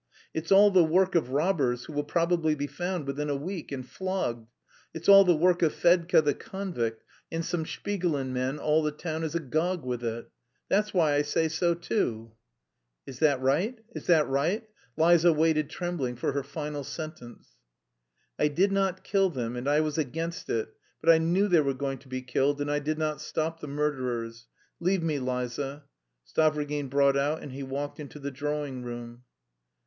It's all the work of robbers who will probably be found within a week and flogged.... It's all the work of Fedka the convict, and some Shpigulin men, all the town is agog with it. That's why I say so too." "Is that right? Is that right?" Liza waited trembling for her final sentence. "I did not kill them, and I was against it, but I knew they were going to be killed and I did not stop the murderers. Leave me, Liza," Stavrogin brought out, and he walked into the drawing room.